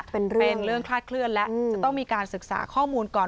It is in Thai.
เป็นเรื่องคลาดเคลื่อนแล้วจะต้องมีการศึกษาข้อมูลก่อน